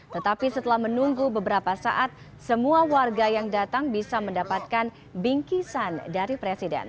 tetapi setelah menunggu beberapa saat semua warga yang datang bisa mendapatkan bingkisan dari presiden